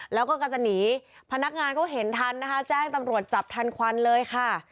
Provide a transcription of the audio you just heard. แล้วก็กำลังจะหนีพนักงานเขาเห็นทันนะคะแจ้งตำรวจจับทันควันเลยค่ะ